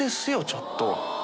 ちょっと。